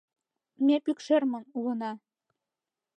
Ме Пӱкшермын улына.